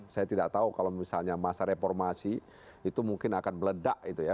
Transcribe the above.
saya tidak tahu kalau misalnya masa reformasi itu mungkin akan meledak itu ya